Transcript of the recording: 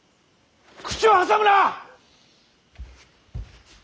口を挟むな！